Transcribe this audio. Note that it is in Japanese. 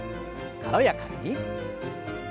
軽やかに。